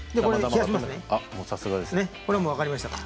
さすがです。